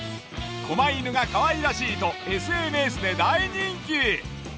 狛犬がかわいらしいとＳＮＳで大人気。